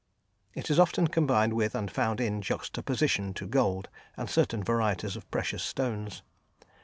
It is often combined with and found in juxtaposition to gold and certain varieties of precious stones.